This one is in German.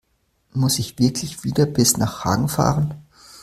Muss ich wirklich wieder bis nach Hagen fahren?